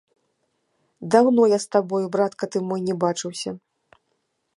Даўно я з табою, братка ты мой, не бачыўся.